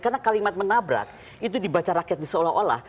karena kalimat menabrak itu dibaca rakyatnya seolah olah